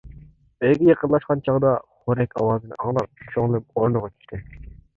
ئۆيگە يېقىنلاشقان چاغدا خورەك ئاۋازىنى ئاڭلاپ كۆڭلۈم ئورنىغا چۈشتى.